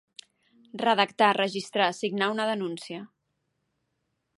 Redactar, registrar, signar una denúncia.